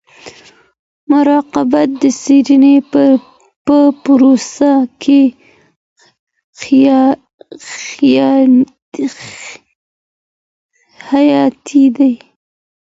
مراقبت د څيړني په پروسه کي حیاتي دی.